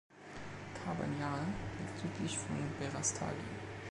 Kabanjahe liegt südlich von Berastagi.